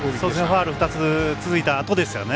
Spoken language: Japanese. ファウル２つ続いたあとですね。